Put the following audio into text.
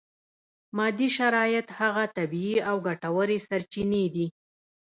مادي شرایط هغه طبیعي او ګټورې سرچینې دي.